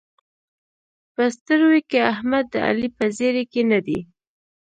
په ستروۍ کې احمد د علي په زېري کې نه دی.